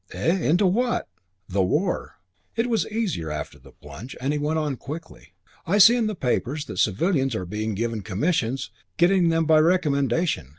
"Eh? Into what?" "The war." It was easier after the plunge, and he went on quickly, "I see in the papers that civilians are being given commissions, getting them by recommendation.